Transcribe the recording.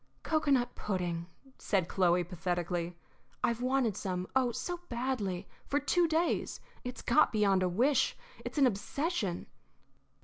"Cocoanut pudding," said Chloe, pathetically. "I've wanted some oh, so badly, for two days. It's got beyond a wish; it's an obsession."